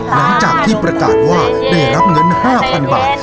หลังจากที่ประกาศว่าได้รับเงิน๕๐๐๐บาท